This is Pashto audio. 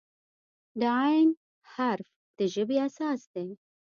د "ع" حرف د ژبې اساس دی.